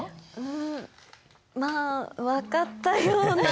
んまあ分かったような。